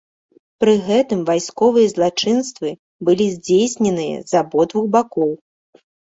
Пры гэтым вайсковыя злачынствы былі здзейсненыя з абодвух бакоў.